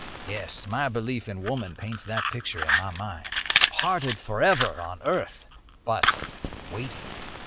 Yes; my belief in woman paints that picture in my mind. Parted forever on earth, but waiting!